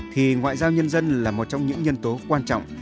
thì ngoại giao nhân dân là một trong những nhân tố quan trọng